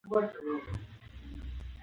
دیوالونه هم د ده په څېر په خاموشۍ کې پاتې وو.